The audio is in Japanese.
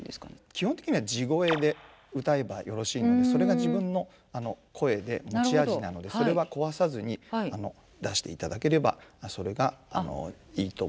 基本的には地声で歌えばよろしいのでそれが自分の声で持ち味なのでそれは壊さずに出していただければそれがいいと思いますけれども。